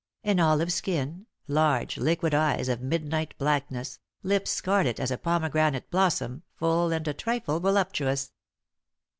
An olive skin, large, liquid eyes of midnight blackness, lips scarlet as a pomegranate blossom, full and a trifle voluptuous.